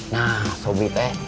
nah sobri pak